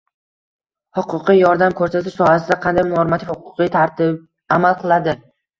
huquqiy yordam ko‘rsatish sohasida qanday normativ-huquqiy tartib amal qiladi?